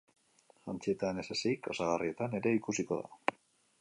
Jantzietan ez ezik, osagarrietan ere ikusiko da.